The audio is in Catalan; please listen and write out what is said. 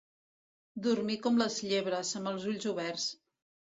Dormir com les llebres, amb els ulls oberts.